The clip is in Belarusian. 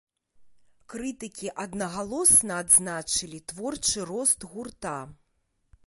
Крытыкі аднагалосна адзначылі творчы рост гурта.